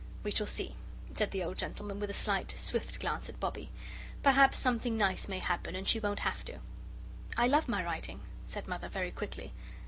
"We shall see," said the old gentleman, with a slight, swift glance at Bobbie; "perhaps something nice may happen and she won't have to." "I love my writing," said Mother, very quickly.